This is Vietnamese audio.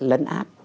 để phát triển